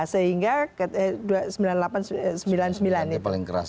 sehingga sembilan puluh delapan sembilan puluh sembilan itu